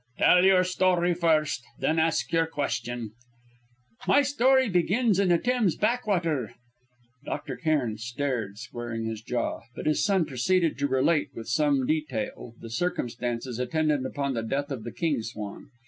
"Tell your story, first; then ask your question." "My story begins in a Thames backwater " Dr. Cairn stared, squaring his jaw, but his son proceeded to relate, with some detail, the circumstances attendant upon the death of the king swan.